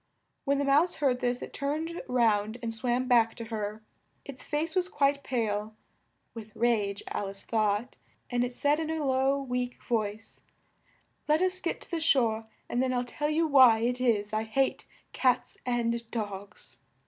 When the Mouse heard this it turned round and swam back to her; its face was quite pale (with rage, Al ice thought), and it said in a low, weak voice, "Let us get to the shore, and then I'll tell you why it is I hate cats and dogs."